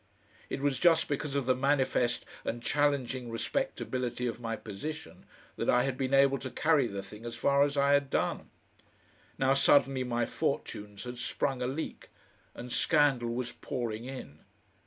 It was just because of the manifest and challenging respectability of my position that I had been able to carry the thing as far as I had done. Now suddenly my fortunes had sprung a leak, and scandal was pouring in....